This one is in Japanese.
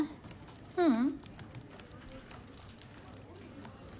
ううん。